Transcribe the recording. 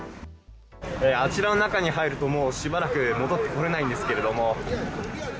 あちらの中に入ると、もうしばらく戻ってこれないんですけれども。